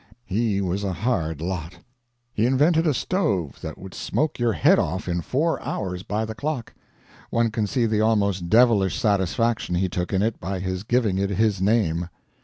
He was a hard lot. He invented a stove that would smoke your head off in four hours by the clock. One can see the almost devilish satisfaction he took in it by his giving it his name.